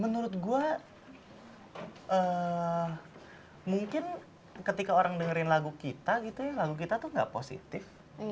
menurut gue mungkin ketika orang dengerin lagu kita gitu ya lagu kita tuh gak positif